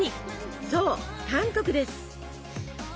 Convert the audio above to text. そう韓国です。